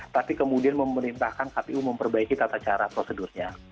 tapi kemudian memerintahkan kpu memperbaiki tata cara prosedurnya